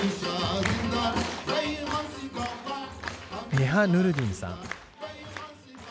ネハ・ヌルディンさん。